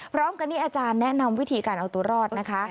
พร้อมกันนี้อาจารย์แนะนำวิธีการเอาตัวรอดนะคะ